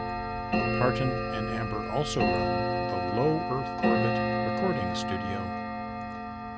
Parton and Amber also run the Low Earth Orbit recording studio.